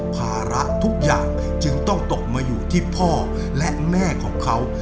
ภาระทุกอย่างจึงต้องตกมาอยู่ที่พ่อและแม่ของเขา